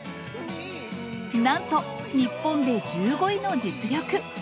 なんと日本で１５位の実力。